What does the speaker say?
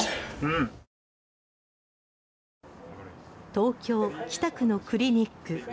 東京・北区のクリニック。